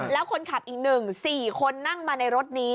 แล้วคนขับอีก๑๔คนนั่งมาในรถนี้